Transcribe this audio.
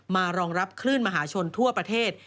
รองรับคลื่นมหาชนทั่วประเทศ